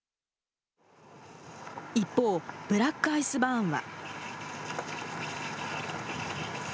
一方、ブラックアイスバーンは。